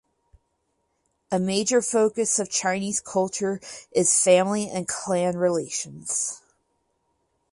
A major focus of Chinese culture is family and clan relations.